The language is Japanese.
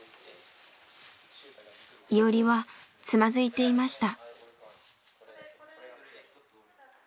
イオリはつまずいていました。